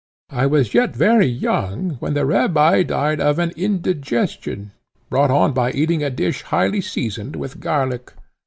I was yet very young when the rabbi died of an indigestion, brought on by eating of a dish highly seasoned with garlic.